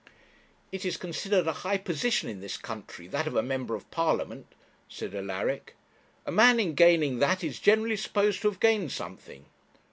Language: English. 'It is considered a high position in this country, that of a member of Parliament,' said Alaric. 'A man in gaining that is generally supposed to have gained something.'